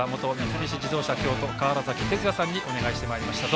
三菱自動車京都の川原崎哲也さんにお願いしてまいりました。